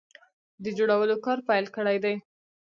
د جوړولو کار پیل کړی دی